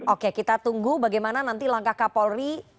oke kita tunggu bagaimana nanti langkah kak polri